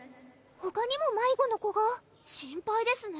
ほかにも迷子の子が心配ですね